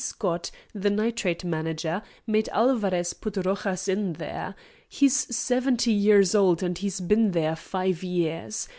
Scott, the Nitrate manager, made Alvarez put Rojas in there. He's seventy years old, and he's been there five years.